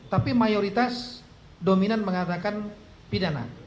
tapi mayoritas dominan mengatakan pidana